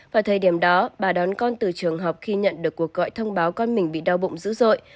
vào thời điểm đó bà đón con từ trường học khi nhận được cuộc gọi thông báo con mình bị đau bụng dữ dội